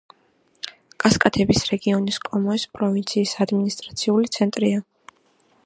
კასკადების რეგიონის კომოეს პროვინციის ადმინისტრაციული ცენტრია.